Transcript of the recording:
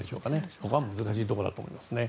ここは難しいところだと思います。